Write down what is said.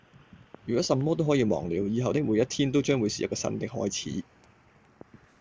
如果什麼都可以忘了，以後的每一天都將會是一個新的開始